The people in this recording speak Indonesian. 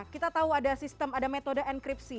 kita tahu ada sistem ada metode enkripsi